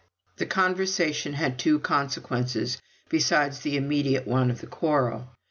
The conversation had two consequences besides the immediate one of the quarrel.